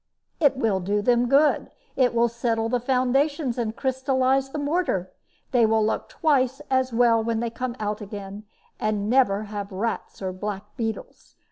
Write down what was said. "It will do them good. It will settle the foundations and crystallize the mortar. They will look twice as well when they come out again, and never have rats or black beetles.